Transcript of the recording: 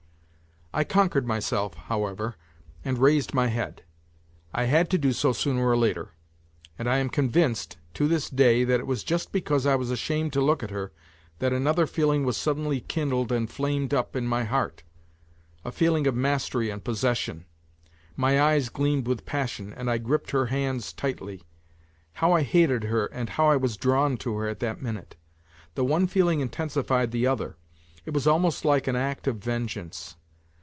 I conquered myself, however, and raised my head; I had to do so sooner or later ... and I am convinced to this day that it was just because I was ashamed to look at her that another feeling was suddenly kindled and flamed up in my heart ... a feeling of mastery and possession. My eyes gleamed with pas sion, and I gripped her hands tightly. How I hated her and how I was drawn to her at that minute ! The one feeling intensified the other. It was almost like an act of vengeance.